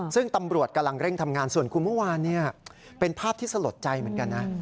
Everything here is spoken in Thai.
ซึ่งตำรวจกำลังเร่งทำงานส่วนคุณเมื่อวานเป็นภาพที่สลดใจเหมือนกันนะ